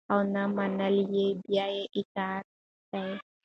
او نه منل يي بي اطاعتي ده